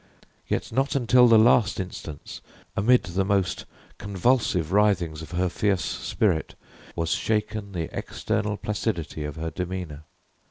Yet not until the last instance, amid the most convulsive writhings of her fierce spirit, was shaken the external placidity of her demeanor.